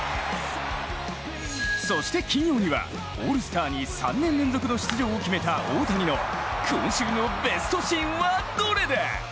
そして金曜には、オールスターに３年連続の出場を決めた大谷の今週のベストシーンはどれだ！